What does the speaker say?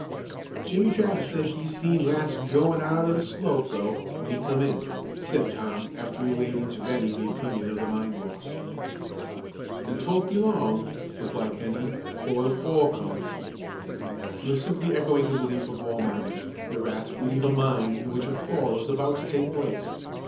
"Jimmie Travis said he seen rats goin' out o' the slope, though, when he come in," said Tom, after relating to Bennie the opinion of the mine boss. "Then 'twon't be long," replied Bennie, "'fore the fall comes." He was simply echoing the belief of all miners, that rats will leave a mine in which a fall is about to take place.